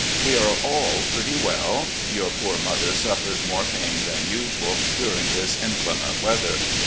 We are all pretty well. Your poor mother suffers more pain than usual during this inclement weather.